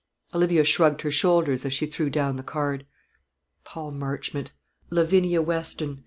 Olivia shrugged her shoulders, as she threw down the card. "Paul Marchmont! Lavinia Weston!"